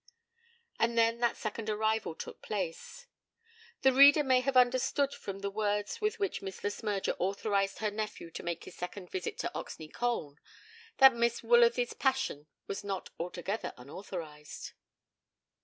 And then that second arrival took place. The reader may have understood from the words with which Miss Le Smyrger authorized her nephew to make his second visit to Oxney Colne that Miss Woolsworthy's passion was not altogether unauthorized.